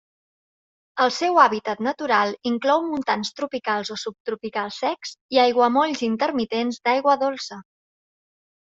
El seu hàbitat natural inclou montans tropicals o subtropicals secs i aiguamolls intermitents d'aigua dolça.